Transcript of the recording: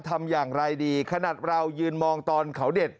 ทำอย่างไรดีขนาดเรายืนมองตอนเขาเด็ด